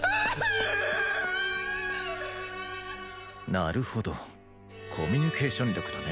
なるほどコミュニケーション力だね